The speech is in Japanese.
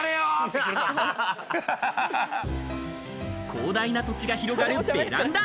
広大な土地が広がるベランダ。